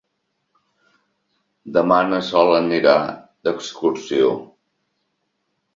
Demà na Sol anirà d'excursió.